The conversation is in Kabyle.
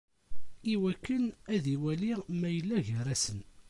Iwakken ad iwali ma yella gar-asen.